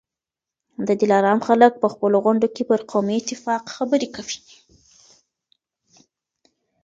د دلارام خلک په خپلو غونډو کي پر قومي اتفاق خبرې کوي.